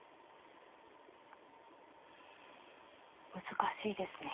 難しいですね。